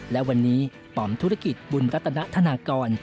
และวันนี้ป๋อมธุรกิจบุญรัตนธนากร